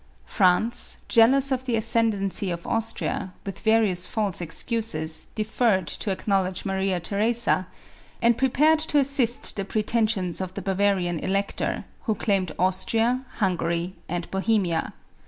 France, jealous of the ascendency of Austria, with various false excuses deferred to acknowledge Maria Theresa, and prepared to assist the pretensions of the Bavarian Elector, who claimed Austria, Hungary, and Bohemia.